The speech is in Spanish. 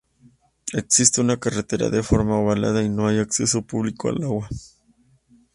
Existe una carretera de forma ovalada y no hay acceso público al agua.